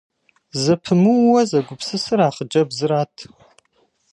Зэпымыууэ зэгупсысыр а хъыджэбзырат.